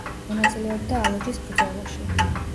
მონაწილეობდა ალაჯის ბრძოლაში.